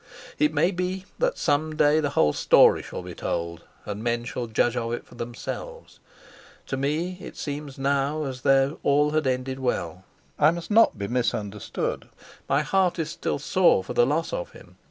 It may be that some day the whole story shall be told, and men shall judge of it for themselves. To me it seems now as though all had ended well. I must not be misunderstood: my heart is still sore for the loss of him.